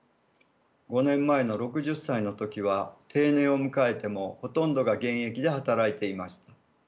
５年前の６０歳の時は定年を迎えてもほとんどが現役で働いていました。